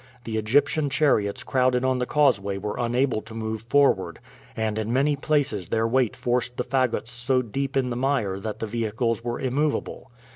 The Egyptian chariots crowded on the causeway were unable to move forward, and in many places their weight forced the fagots so deep in the mire that the vehicles were immovable.